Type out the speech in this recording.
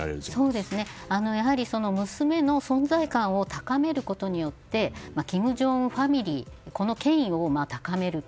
やはり、娘の存在感を高めることで金正恩ファミリーの権威を高めると。